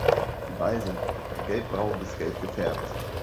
Die Beine sind gelbbraun bis gelb gefärbt.